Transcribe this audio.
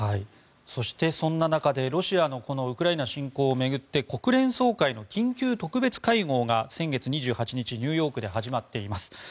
そして、そんな中でロシアのウクライナ侵攻を巡って国連総会の緊急特別会合が先月２８日にニューヨークで始まっています。